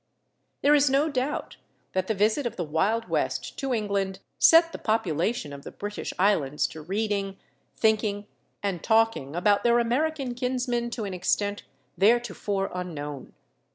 There is no doubt that the visit of the Wild West to England set the population of the British Islands to reading, thinking, and talking about their American kinsmen to an extent theretofore unknown.